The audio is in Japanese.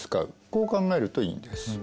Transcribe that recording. こう考えるといいんです。